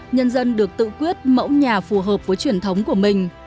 nhân dân được tự quyết mẫu nhà phù hợp với truyền thống của mình